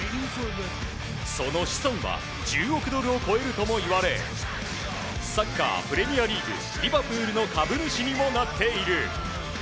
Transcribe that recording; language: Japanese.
その資産は１０億ドルを超えるともいわれサッカー、プレミアリーグリバプールの株主にもなっている。